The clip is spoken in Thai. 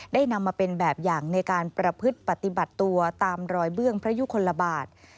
นำมาเป็นแบบอย่างในการประพฤติปฏิบัติตัวตามรอยเบื้องพระยุคลบาท